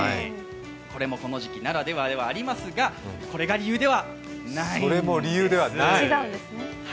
これもこの時期ならではでありますが、これも理由ではないんですね。